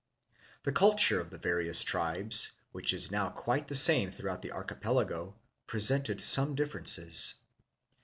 The culture of the various tribes, which is now quite the same throughout the archi pelago, presented some differences.